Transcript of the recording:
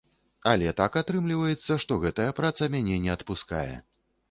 Але так атрымліваецца, што гэтая праца мяне не адпускае.